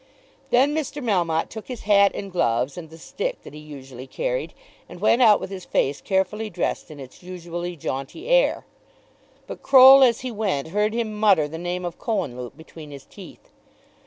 Then Mr. Melmotte took his hat and gloves, and the stick that he usually carried, and went out with his face carefully dressed in its usually jaunty air. But Croll as he went heard him mutter the name of Cohenlupe between his teeth.